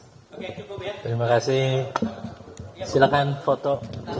oke cukup ya terima kasih silahkan foto